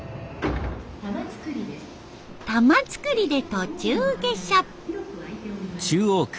玉造で途中下車。